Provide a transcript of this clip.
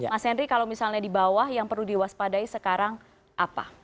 mas henry kalau misalnya di bawah yang perlu diwaspadai sekarang apa